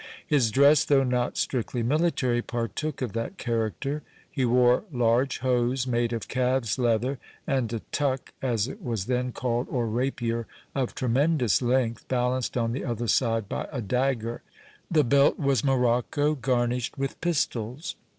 His dress, though not strictly military, partook of that character. He wore large hose made of calves leather, and a tuck, as it was then called, or rapier, of tremendous length, balanced on the other side by a dagger. The belt was morocco, garnished with pistols.